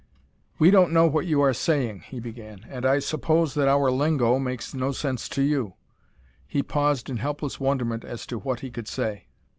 "We don't know what you are saying," he began, "and I suppose that our lingo makes no sense to you " He paused in helpless wonderment as to what he could say.